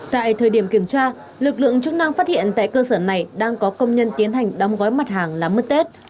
tại thời điểm kiểm tra lực lượng chức năng phát hiện tại cơ sở này đang có công nhân tiến hành đong gói mặt hàng làm mứt tết